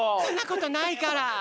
そんなことないから！